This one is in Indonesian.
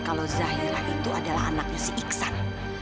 kalau zahira itu adalah anaknya si iksan